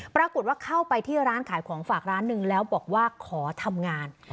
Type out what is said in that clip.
ปรากฏว่าเข้าไปที่ร้านขายของฝากร้านหนึ่งแล้วบอกว่าขอทำงาน